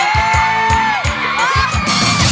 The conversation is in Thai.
สวัสดี